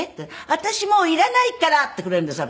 「私もういらないから」ってくれるんですよ